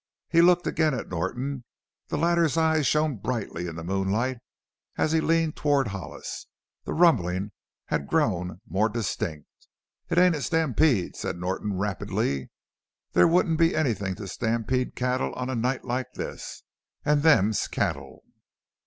He looked again at Norton. The latter's eyes shone brightly in the moonlight as he leaned toward Hollis. The rumbling had grown more distinct. "It ain't a stampede," said Norton rapidly; "there wouldn't be anything to stampede cattle on a night like this. An' them's cattle!"